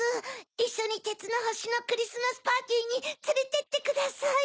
いっしょにてつのほしのクリスマスパーティーにつれてってください。